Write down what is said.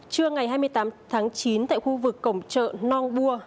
trưa ngày hai mươi tám tháng chín tại khu vực cổng chợ nong bua